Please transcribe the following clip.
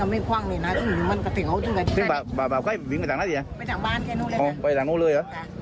ไม่ไม่ได้นังคุย